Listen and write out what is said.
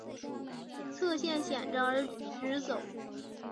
侧线显着而直走。